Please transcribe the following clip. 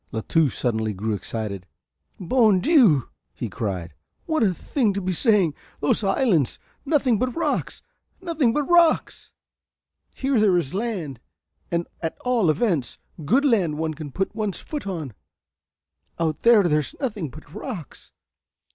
La Touche suddenly grew excited. "Bon Dieu," cried he, "what a thing to be saying! Those islands, nothing but rocks nothing but rocks. Here there is land, at all events, good land one can put one's foot on; out there there's nothing but rocks.